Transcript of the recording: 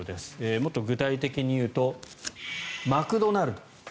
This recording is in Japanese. もっと具体的にいうとマクドナルド。